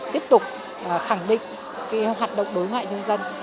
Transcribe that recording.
tiếp tục khẳng định hoạt động đối ngoại nhân dân